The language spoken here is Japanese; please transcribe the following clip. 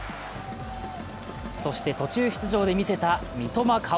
そして、途中出場で見せた三笘薫。